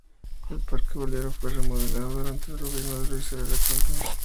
El Parque Bolívar fue remodelado durante el gobierno de Luis Herrera Campins.